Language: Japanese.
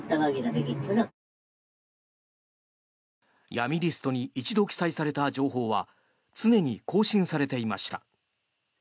闇リストに一度記載された情報は常に更新されていました。